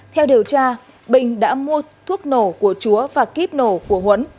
theo điều tra bình đã mua thuốc nổ của chúa và kíp nổ của huấn